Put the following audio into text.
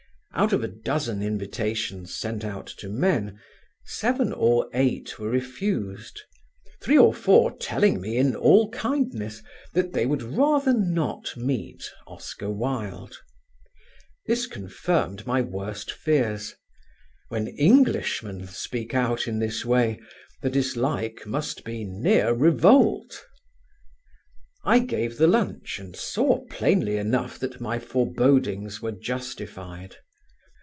Out of a dozen invitations sent out to men, seven or eight were refused, three or four telling me in all kindness that they would rather not meet Oscar Wilde. This confirmed my worst fears: when Englishmen speak out in this way the dislike must be near revolt. I gave the lunch and saw plainly enough that my forebodings were justified.